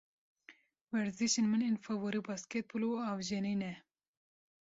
Werzişên min ên favorî basketbol û avjenî ne.